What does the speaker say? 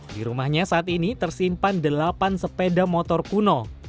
di rumahnya saat ini tersimpan delapan sepeda motor kuno